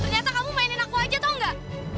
ternyata kamu mainin aku aja tau gak